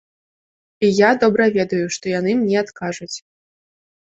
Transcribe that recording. І я добра ведаю, што яны мне адкажуць.